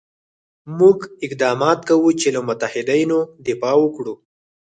موږ اقدامات کوو چې له متحدینو دفاع وکړو.